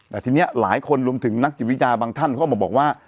แต่ทีนี้หลายคนรวมถึงนักจิตวิทยาบางท่านเขาก็มาบอกว่า